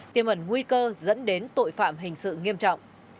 tiêm ẩn nguy cơ dẫn đến tội phạm hình sự nghiêm trọng